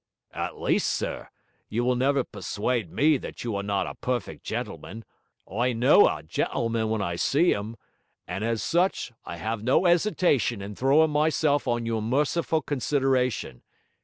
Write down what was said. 'At least, sir, you will never pe'suade me that you are not a perfec' gentleman; I know a gentleman when I see him; and as such, I 'ave no 'esitation in throwin' myself on your merciful consideration.